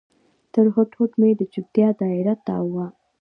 تر هډ، هډ مې د چوپتیا دا یره تاو وه